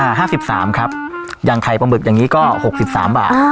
ห้าสิบสามครับอย่างไข่ปลาหมึกอย่างงี้ก็หกสิบสามบาท